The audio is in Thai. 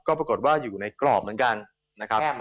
ก็ปรากฏว่าอยู่ในกรอบเหมือนกันนะครับ